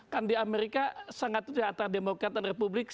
kan di amerika sangat itu di atas demokrat dan republik